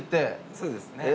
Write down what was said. そうですね。